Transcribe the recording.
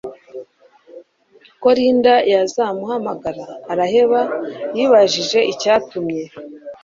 ko Linda yazamuhamagara araheba yibajije icyatumye